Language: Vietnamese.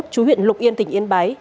chú huyện lục yên tỉnh yên bái